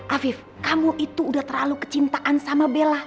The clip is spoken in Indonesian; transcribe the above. afif kamu itu udah terlalu kecintaan sama bella